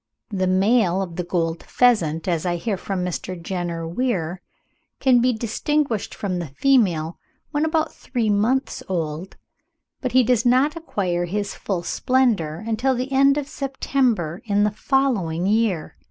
The male of the Gold pheasant, as I hear from Mr. Jenner Weir, can be distinguished from the female when about three months old, but he does not acquire his full splendour until the end of the September in the following year.)